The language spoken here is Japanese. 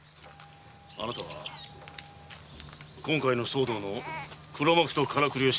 あなたは今回の騒動の黒幕とからくりを知ってるはずだ。